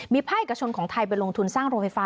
ภาคเอกชนของไทยไปลงทุนสร้างโรงไฟฟ้า